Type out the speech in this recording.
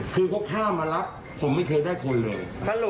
คือเขาข้ามมารับผมไม่เคยได้คนเลย